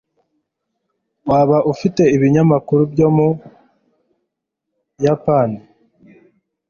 waba ufite ibinyamakuru byo mu buyapani